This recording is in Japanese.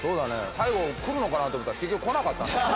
最後来るのかなと思ったら結局来なかった。